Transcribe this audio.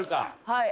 はい。